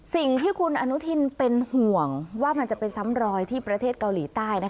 สิ่งที่คุณอนุทินเป็นห่วงว่ามันจะไปซ้ำรอยที่ประเทศเกาหลีใต้